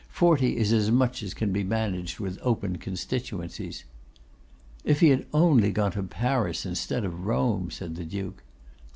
'Forty is as much as can be managed with open constituencies.' 'If he had only gone to Paris instead of Rome!' said the Duke.